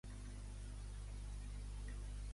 Qui va apuntar que el seu pare podria ser Plístenes?